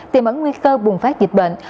tìm ấn nguyên khơ bùng phát dịch bệnh